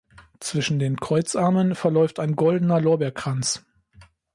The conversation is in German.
Zwischen den Kreuzarmen verläuft ein goldener Lorbeerkranz.